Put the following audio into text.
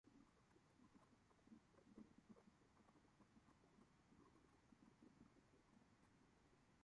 Weiss Dam, forming the lake, is located just south of the town limits.